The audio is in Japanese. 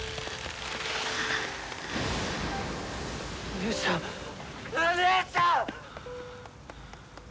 姉ちゃん姉ちゃん！